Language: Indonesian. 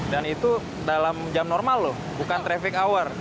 dan itu dalam jam normal loh bukan traffic hour